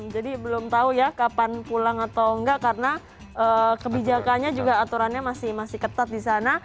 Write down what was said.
jadi belum tahu ya kapan pulang atau enggak karena kebijakannya juga aturannya masih ketat di sana